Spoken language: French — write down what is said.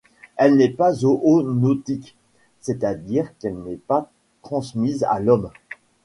Elle n'est pas zoonotique, c'est-à-dire qu'elle n'est pas transmissible à l'homme.